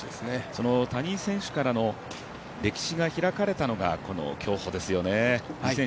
その谷井選手からの歴史が開かれたのが、この競歩ですね。